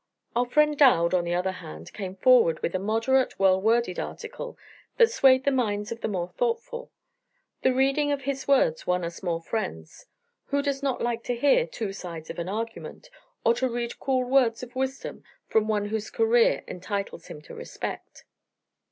Our friend Dowd, on the other hand, came forward with a moderate, well worded article that swayed the minds of the more thoughtful. The reading of his words won us more friends. Who does not like to hear two sides of an argument, or to read cool words of wisdom from one whose career entitles him to respect?